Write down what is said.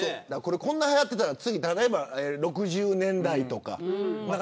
こんなにはやっていたら次は６０年代とか。